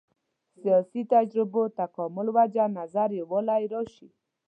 سیاسي تجربو تکامل وجه نظر یووالی راشي.